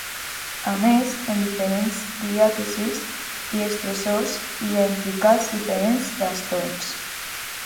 A més, en diferents diàtesis i estressors hi ha implicats diferents trastorns.